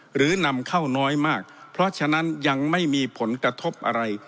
หรือนำเข้าน้อยมากเพราะฉะนั้นยังไม่มีผลกระทบอะไร